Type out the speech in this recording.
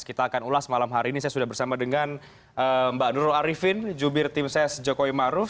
kita akan ulas malam hari ini saya sudah bersama dengan mbak nurul arifin jubir tim ses jokowi maruf